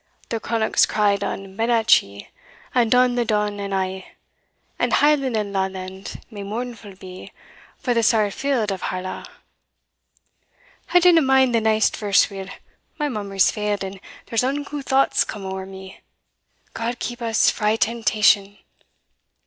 "The cronach's cried on Bennachie, And doun the Don and a', And hieland and lawland may mournfu' be For the sair field of Harlaw. I dinna mind the neist verse weel my memory's failed, and theres unco thoughts come ower me God keep us frae temptation!"